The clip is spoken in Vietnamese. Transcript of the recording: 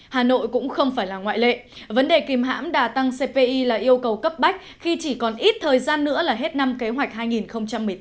hà nội cũng không phải là ngoại lệ vấn đề kìm hãm đà tăng cpi là yêu cầu cấp bách khi chỉ còn ít thời gian nữa là hết năm kế hoạch hai nghìn một mươi tám